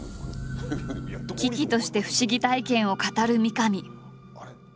喜々として不思議体験を語る三上。